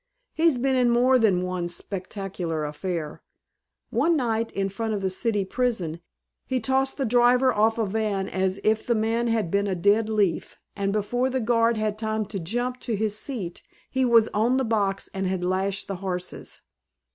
He's been in more than one spectacular affair. One night, in front of the City Prison, he tossed the driver off a van as if the man had been a dead leaf, and before the guard had time to jump to his seat he was on the box and had lashed the horses.